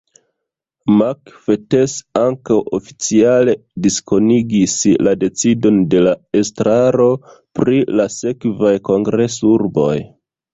Mark Fettes ankaŭ oficiale diskonigis la decidon de la estraro pri la sekvaj kongresurboj.